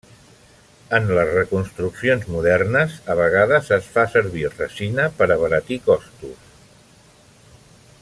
En les reconstruccions modernes a vegades es fa servir resina per abaratir costos.